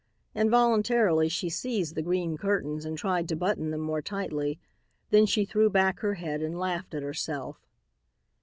Involuntarily she seized the green curtains and tried to button them more tightly, then she threw back her head and laughed at herself.